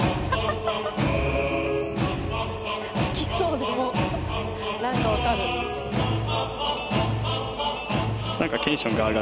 好きそう何か分かる。